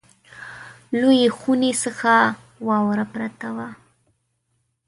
لویې خونې څخه واوره پرته وه.